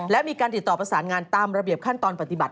และมีการติดต่อประสานงานตามระเบียบขั้นตอนปฏิบัติ